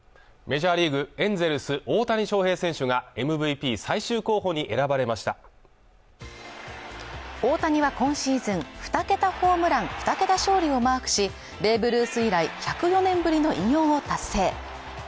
メジャーリーグエンゼルス大谷翔平選手がＭＶＰ最終候補に選ばれました大谷は今シーズン２桁ホームラン２桁勝利をマークしベーブ・ルース以来１００年ぶりの偉業を達成